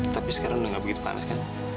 tapi sekarang udah gak begitu banyak